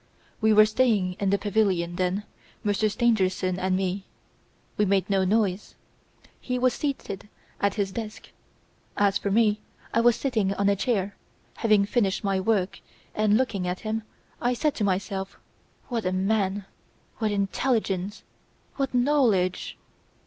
"'We were staying in the pavilion, then Monsieur Stangerson and me. We made no noise. He was seated at his desk. As for me, I was sitting on a chair, having finished my work and, looking at him, I said to myself: "What a man! what intelligence! what knowledge!"